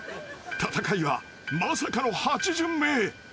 ［戦いはまさかの８巡目］